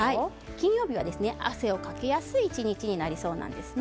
金曜日は汗をかきやすい１日になりそうなんです。